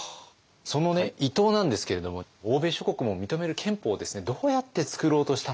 その伊藤なんですけれども欧米諸国も認める憲法をどうやってつくろうとしたのか。